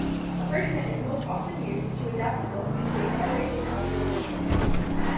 Abridgement is most often used to adapt a book into a narrated audio version.